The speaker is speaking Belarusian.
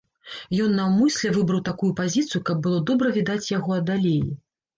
Ён наўмысля выбраў такую пазіцыю, каб было добра відаць яго ад алеі.